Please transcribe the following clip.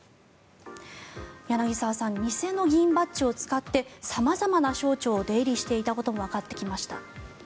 柳澤さん偽の議員バッジを使って様々な省庁を出入りしていたこともわかってきました。